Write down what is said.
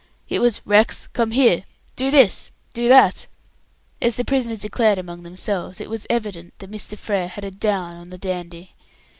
It was "Rex, come here! Do this! Do that!" As the prisoners declared among themselves, it was evident that Mr. Frere had a "down" on the "Dandy".